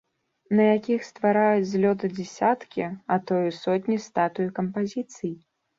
На якіх ствараюць з лёду дзесяткі, а то і сотні статуй і кампазіцый.